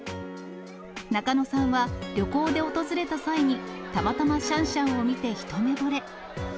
中野さんは、旅行で訪れた際に、たまたまシャンシャンを見て一目ぼれ。